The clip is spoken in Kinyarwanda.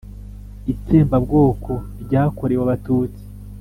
itsembabwoko ryakorewe abatutsi.